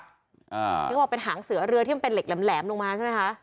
เขาบอกเป็นหางเสือเรือที่มันเป็นเหล็กแหลมลงมาใช่ไหมคะ